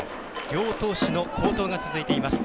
両投手の好投が続いています。